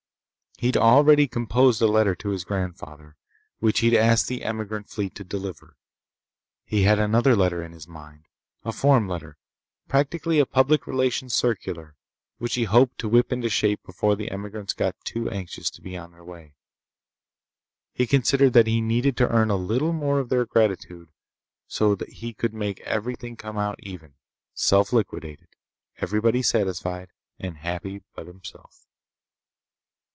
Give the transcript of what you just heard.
He'd already composed a letter to his grandfather, which he'd ask the emigrant fleet to deliver. He had another letter in his mind—a form letter, practically a public relations circular—which he hoped to whip into shape before the emigrants got too anxious to be on their way. He considered that he needed to earn a little more of their gratitude so he could make everything come out even; self liquidated; everybody satisfied and happy but himself.